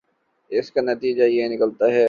اس کا نتیجہ یہ نکلتا ہے